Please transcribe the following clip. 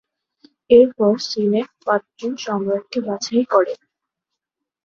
এরপর সিনেট পাঁচজন সম্রাটকে বাছাই করে।